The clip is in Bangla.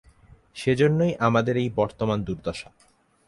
সেজন্যই আমাদের এই বর্তমান দুর্দশা।